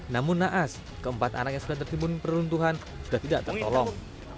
namun naas keempat anak yang sudah tertimbun peruntuhan sudah tidak tertolong